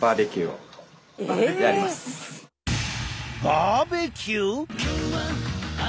バーベキュー！？